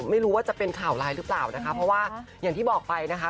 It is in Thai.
ไม่รู้ว่าจะเป็นข่าวร้ายหรือเปล่านะคะเพราะว่าอย่างที่บอกไปนะคะ